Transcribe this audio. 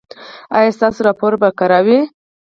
ایا ستاسو راپور به کره وي؟